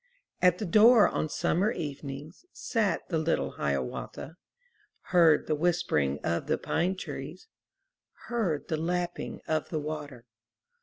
At the door on summer evenings Sat the little Hiawatha, Heard the whispering of the pine trees, Heard the lapping of the water.